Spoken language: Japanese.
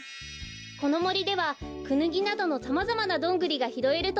このもりではクヌギなどのさまざまなどんぐりがひろえるとおもいます。